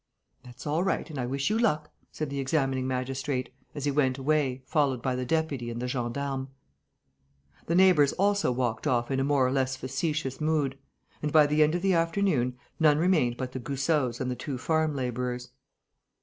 "That's all right and I wish you luck," said the examining magistrate, as he went away, followed by the deputy and the gendarmes. The neighbours also walked off in a more or less facetious mood. And, by the end of the afternoon, none remained but the Goussots and the two farm labourers.